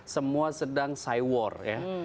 semua sedang saiwar ya